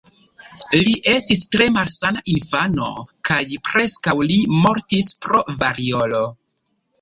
Li estis tre malsana infano kaj preskaŭ li mortis pro variolo.